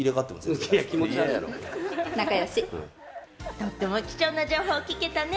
とっても貴重な情報を聞けたね！